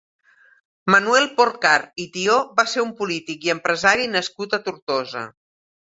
Manuel Porcar i Tió va ser un polític i empresari nascut a Tortosa.